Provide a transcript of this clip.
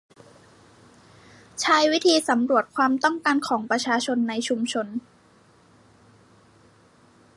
ใช้วิธีสำรวจความต้องการของประชาชนในชุมชน